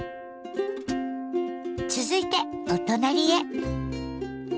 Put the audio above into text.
続いてお隣へ。